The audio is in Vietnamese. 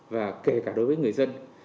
và kể cả đối với người dân